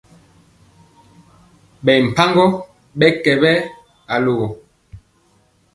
Ɓɛ mpagɔ ɓɛ kɛ we oyayoo.